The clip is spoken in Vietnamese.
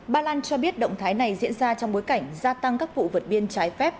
ba lan cho biết động thái này diễn ra trong bối cảnh gia tăng các vụ vượt biên trái phép